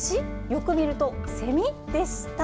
よく見ると、セミでした。